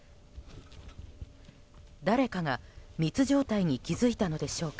誰かが密状態に気づいたのでしょうか。